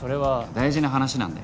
大事な話なんで。